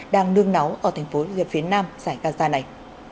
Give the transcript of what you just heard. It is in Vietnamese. đang nương náu ở thành phố việt phiên nam giải gaza này